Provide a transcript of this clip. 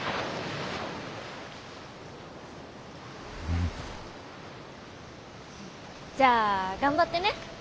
うん。じゃあ頑張ってね！